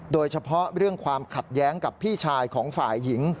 โดยเฉพาะเรื่องความขัดแย้งกับพี่ชายของฝ่ายหญิง